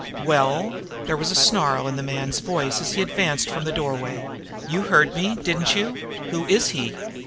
"Well?" There was a snarl in the man's voice as he advanced from the doorway. "You heard me, didn't you? Who is he?"